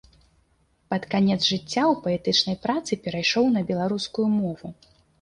Пад канец жыцця ў паэтычнай працы перайшоў на беларускую мову.